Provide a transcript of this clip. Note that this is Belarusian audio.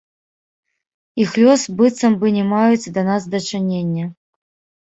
Іх лёс быццам бы не маюць да нас дачынення.